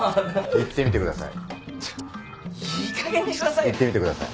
言ってみてください。